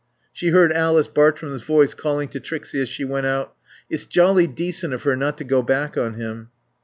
She heard Alice Bartrum's voice calling to Trixie as she went out, "It's jolly decent of her not to go back on him."